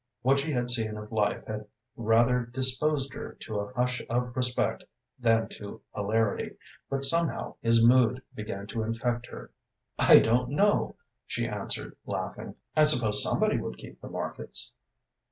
What she had seen of life had rather disposed her to a hush of respect than to hilarity, but somehow his mood began to infect her. "I don't know," she answered, laughing, "I suppose somebody would keep the markets."